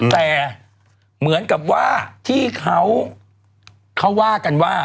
แต่เหมือนกับว่าที่เขาว่ากันว่า